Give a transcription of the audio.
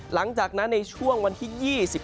หลังจากนั้นในช่วงวันที่๒๓